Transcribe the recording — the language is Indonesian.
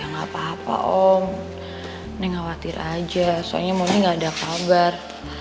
ya gak apa apa om neng khawatir aja soalnya mondi gak ada kabar